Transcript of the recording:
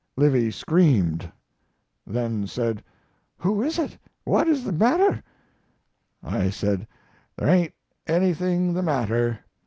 Livy screamed, then said, "Who is it? What is the matter?" I said, "There ain't anything the matter.